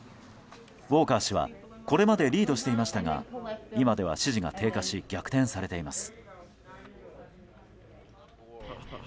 ウォーカー氏はこれまでリードしていましたが今では支持が低下し逆転されています。